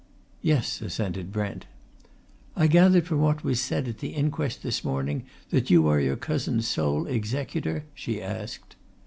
"Yes," assented Brent. "I gathered from what was said at the inquest this morning that you are your cousin's sole executor?" she asked.